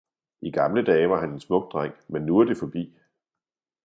I gamle dage var han en smuk dreng, men nu er det forbi!